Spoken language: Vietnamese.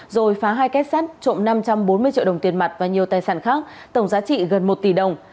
rồi phá hai kết sát trộm năm trăm bốn mươi triệu đồng tiền mặt và nhiều tài sản khác tổng giá trị gần một tỷ đồng